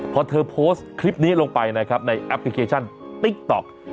พอเธอโพสต์คลิปนี้ลงไปนะครับในแอปพลิเคชันติ๊กต๊อก